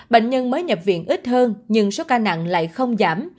bệnh nhân mới nhập viện ít hơn nhưng số ca nặng lại không giảm